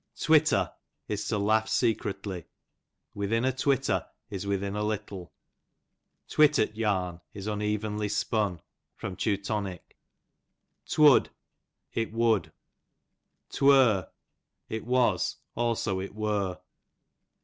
Twitter, is to laugh secretly, within a twitter, is within a little; twittert yam is unevenly spun. Teu. 'Twou'd, it would. 'Twur, it was ; also it were.